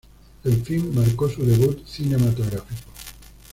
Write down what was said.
El film marcó su debut cinematográfico.